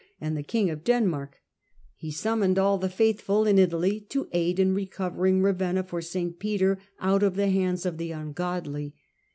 fgl e 146 HlLDRBRAND the king of Denmark ; he snmmoned all the faithfal in Italy to aid in recovering RavennalOTStTPeter out of the hands of the ungodly.